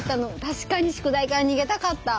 確かに宿題から逃げたかった。